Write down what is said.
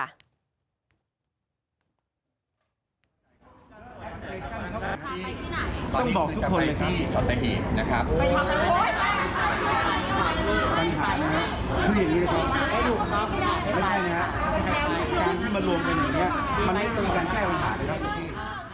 ต้องบอกทุกคนนะครับ